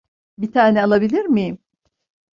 Bir tane alabilir miyim?